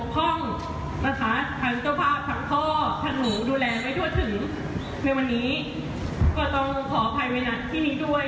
ขอบท่านหนูดูแลให้รวดถึงในวันนี้ก็ต้องขออภัยบินัททีนี้ด้วย